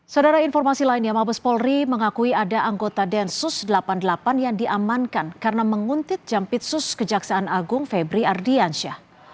saudara informasi lainnya mabes polri mengakui ada anggota densus delapan puluh delapan yang diamankan karena menguntit jampitsus kejaksaan agung febri ardiansyah